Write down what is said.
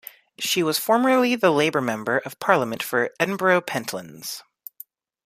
She was formerly the Labour Member of Parliament for Edinburgh Pentlands.